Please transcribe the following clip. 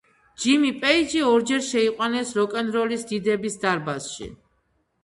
ჯიმი პეიჯი ორჯერ შეიყვანეს როკ-ენ-როლის დიდების დარბაზში.